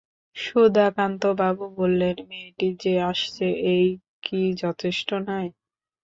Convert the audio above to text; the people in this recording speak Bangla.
সুধাকান্তবাবু বললেন, মেয়েটি যে আসছে এই কি যথেষ্ট নয়?